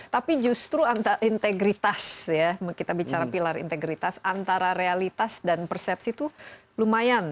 tapi justru integritas ya kita bicara pilar integritas antara realitas dan persepsi itu lumayan